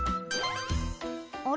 あれ？